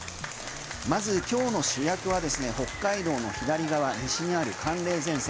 まず、今日の主役はですね北海道の左側、西にある寒冷前線。